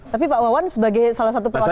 tapi pak wawan sebagai salah satu pelatih ini